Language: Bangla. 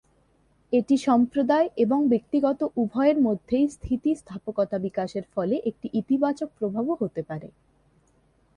এটি সম্প্রদায় এবং ব্যক্তিগত উভয়ের মধ্যে স্থিতিস্থাপকতা বিকাশের ফলে একটি ইতিবাচক প্রভাবও হতে পারে।